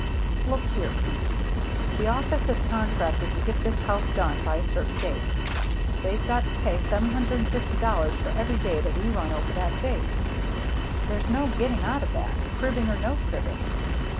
"Look here, Pete. The office has contracted to get this house done by a certain date. They've got to pay $750 for every day that we run over that date. There's no getting out of that, cribbing or no cribbing.